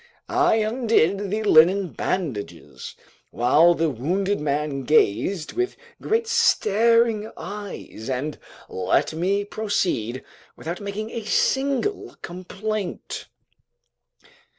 I undid the linen bandages, while the wounded man gazed with great staring eyes and let me proceed without making a single complaint.